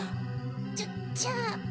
じゃじゃあ。